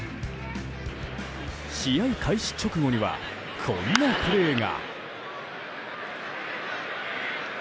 試合開始直後にはこんなプレーが。